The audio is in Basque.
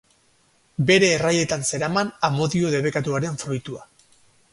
Bere erraietan zeraman amodio debekatuaren fruitua.